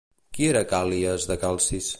Qui era Càl·lies de Calcis?